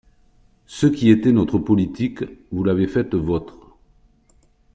Ce qui était notre politique, vous l’avez faite vôtre.